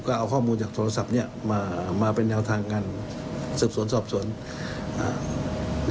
ก็เอาข้อมูลจากโทรศัพท์เนี้ยมามาเป็นแนวทางการสืบสวนสอบสวนอ่า